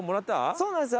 そうなんですよ。